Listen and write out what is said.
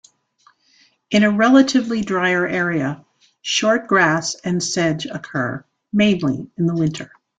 In a relatively drier area, short grass and sedge occur, mainly in winter.